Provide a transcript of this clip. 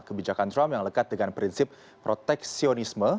kebijakan trump yang lekat dengan prinsip proteksionisme